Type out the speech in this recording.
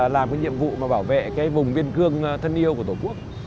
làm nhiệm vụ bảo vệ vùng viên cương thân yêu của tổ quốc